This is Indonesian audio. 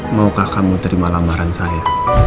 maukah kamu terima lamaran saya